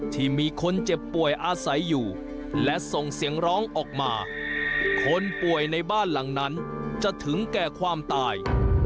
ที่มีคนเจ็บป่วยอาศัยอยู่และส่งเสียงร้องออกมาคนป่วยในบ้านหลังนั้นจะถึงแก่ความตาย